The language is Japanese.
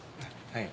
はい。